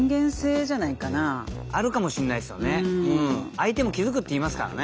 相手も気付くっていいますからね。